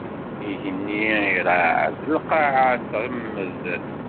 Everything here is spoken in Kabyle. Igenni iṛeɛɛed, lqaɛa tremmed.